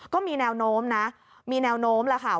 ก็มีแนวโน้มนะมีแนวโน้มแล้วค่ะ